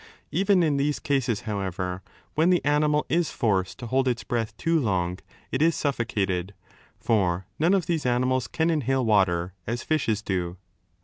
Even in these 4 cases, however, when the animal is forced to hold its breath too long, it is suffocated. For none of these animals can inhale water, as fishes do.